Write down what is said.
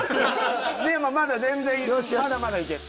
でもまだ全然まだまだいける。